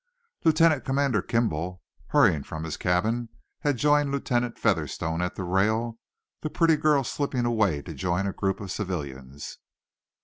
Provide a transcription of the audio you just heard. Lieutenant Commander Kimball, hurrying from his cabin, had joined Lieutenant Featherstone at the rail, the pretty girl slipping away to join a group of civilians.